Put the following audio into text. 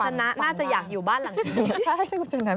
ชนะน่าจะอยากอยู่บ้านหลังนี้